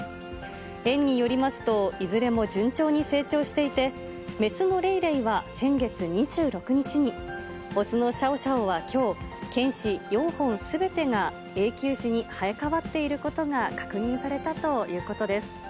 園によりますと、いずれも順調に成長していて、雌のレイレイは先月２６日に、雄のシャオシャオはきょう、犬歯４本すべてが永久歯に生えかわっていることが確認されたということです。